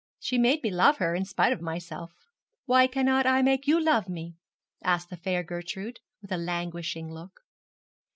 She made me love her in spite of myself.' 'Why cannot I make you love me?' asked the fair Gertrude, with a languishing look.